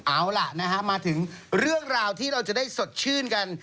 เอาล่ะนะฮะมาถึงเรื่องราวที่เราจะได้สดชื่นกัน